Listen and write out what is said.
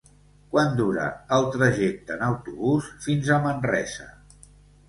Quant dura el trajecte en autobús fins a Manresa?